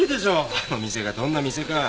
あの店がどんな店か。